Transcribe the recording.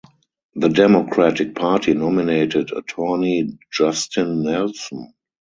The Democratic Party nominated attorney Justin Nelson.